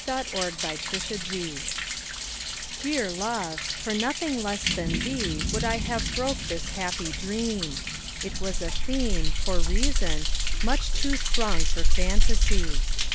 The Dream DEAR love, for nothing less than theeWould I have broke this happy dream; It was a themeFor reason, much too strong for fantasy.